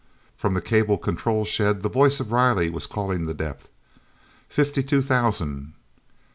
From the cable control shed the voice of Riley was calling the depth. "Fifty two thousand."